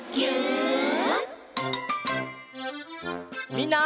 みんな。